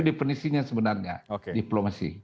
definisinya sebenarnya diplomasi